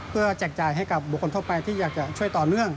เพื่อแจกจ่ายให้กับบุคคลทั่วไปที่อยากจะช่วยต่อเนื่อง